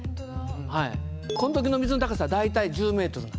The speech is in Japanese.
この時の水の高さは大体１０ｍなんです。